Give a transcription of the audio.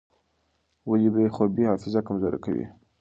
ولې بې خوبي حافظه کمزورې کوي؟